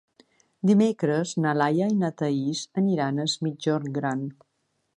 Dimecres na Laia i na Thaís aniran a Es Migjorn Gran.